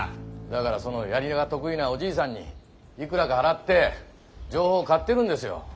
だからその槍が得意なおじいさんにいくらか払って情報を買ってるんですよ。